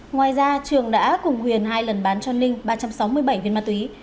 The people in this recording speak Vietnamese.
ngoài ra trường đã cùng huyền hai lần bán cho ninh ba trăm sáu mươi bảy viên ma túy